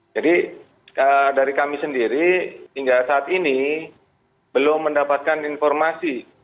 jadi dari kami sendiri hingga saat ini belum mendapatkan informasi